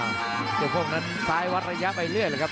เจ้าโค้งนั้นซ้ายวัดระยะไปเรื่อยเลยครับ